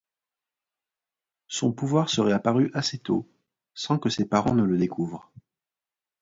Son pouvoir serait apparu assez tôt, sans que ses parents ne le découvrent.